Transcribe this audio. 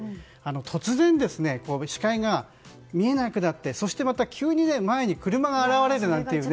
突然、視界が見えなくなってそしてまた急に前に車が現れる。